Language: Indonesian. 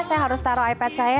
saya harus taruh ipad saya